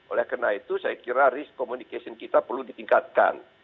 oleh karena itu saya kira risk communication kita perlu ditingkatkan